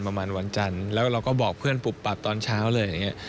ประมาณวันจันทร์แล้วเราก็บอกเพื่อนปุบปับตอนเช้าเลยอย่างนี้